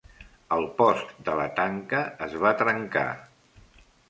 El post de la tanca es va trencar.